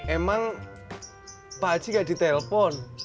emang pak ji gak ditelepon